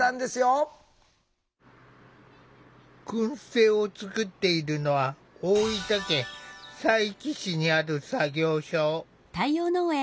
くん製を作っているのは大分県佐伯市にある作業所。